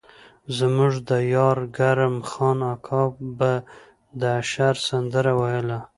زموږ د ديار کرم خان اکا به د اشر سندره ويله.